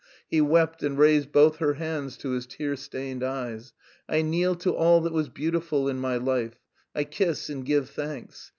He wept and raised both her hands to his tear stained eyes. "I kneel to all that was beautiful in my life. I kiss and give thanks!